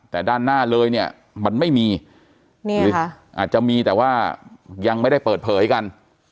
แต่ด้านหน้าเลยเนี่ยมันไม่มีอาจจะมีแต่ว่ายังไม่ได้เปิดเผยกัน